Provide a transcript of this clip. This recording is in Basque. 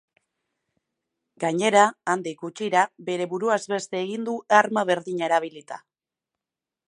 Gainera, handik gutxira, bere buruaz beste egin du arma berdina erabilita.